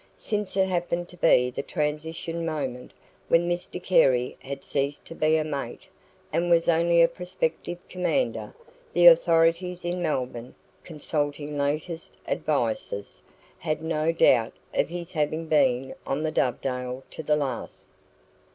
Since it happened to be the transition moment, when Mr Carey had ceased to be a mate, and was only a prospective commander, the authorities in Melbourne, consulting latest advices, had no doubt of his having been on the DOVEDALE to the last.